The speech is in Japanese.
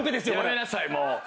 やめなさいもう。